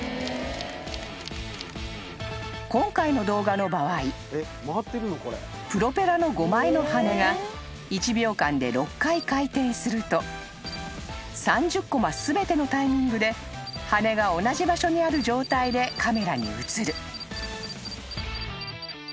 ［今回の動画の場合プロペラの５枚の羽根が１秒間で６回回転すると３０コマ全てのタイミングで羽根が同じ場所にある状態でカメラに写る］